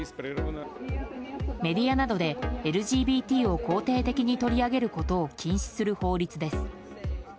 メディアなどでＬＧＢＴを肯定的に取り上げることを禁止する法律です。